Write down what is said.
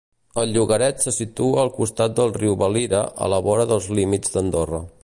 El llogaret se situa al costat del riu Valira, a la vora dels límits d'Andorra.